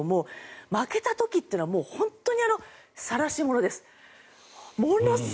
負けた時というのは本当にさらし者です。